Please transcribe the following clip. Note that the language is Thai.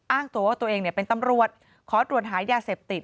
อ้างตัวว่าตัวเองเป็นตำรวจขอตรวจหายาเสพติด